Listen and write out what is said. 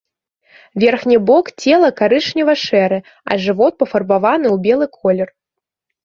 Верхні бок цела карычнева-шэры, а жывот пафарбаваны ў белы колер.